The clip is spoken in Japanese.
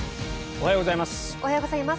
おはようございます。